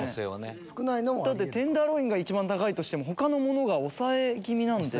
だってテンダーロインが一番高いとして他のものが抑え気味なんで。